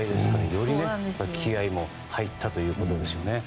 よりね、気合も入ったということですよね。